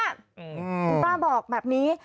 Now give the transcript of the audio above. คุณป้าบอกแบบนี้